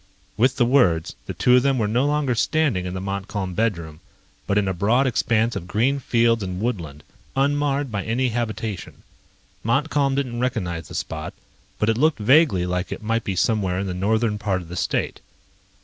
With the words, the two of them were no longer standing in the Montcalm bedroom, but in a broad expanse of green fields and woodland, unmarred by any habitation. Montcalm didn't recognize the spot, but it looked vaguely like it might be somewhere in the northern part of the state.